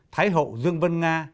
thái hậu dương vân nga